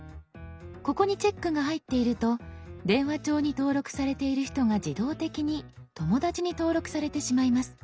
ここにチェックが入っていると電話帳に登録されている人が自動的に「友だち」に登録されてしまいます。